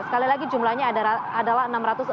sekali lagi jumlahnya adalah enam ratus empat puluh tiga